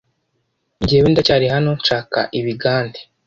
njyewe ndacyari hano nshaka ibigande"